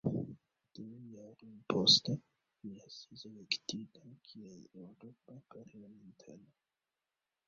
Du jarojn poste, li estis elektita kiel eŭropa parlamentano.